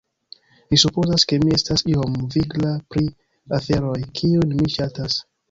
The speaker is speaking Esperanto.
... mi supozas ke mi estas iom vigla pri aferoj, kiujn mi ŝatas.